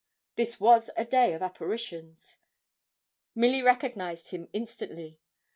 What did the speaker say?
This was a day of apparitions! Milly recognised him instantly.